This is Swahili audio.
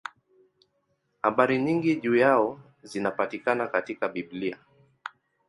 Habari nyingi juu yao zinapatikana katika Biblia.